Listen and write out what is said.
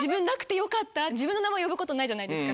自分の名前呼ぶことないじゃないですか。